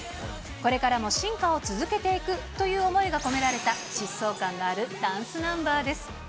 これからも進化を続けていくという思いが込められた、疾走感のあるダンスナンバーです。